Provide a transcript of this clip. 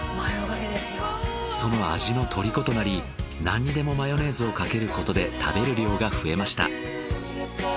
その味のとりことなり何にでもマヨネーズをかけることで食べる量が増えました。